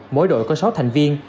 mỗi đội có sáu thành viên